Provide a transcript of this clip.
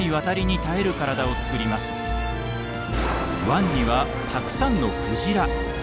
湾にはたくさんのクジラ。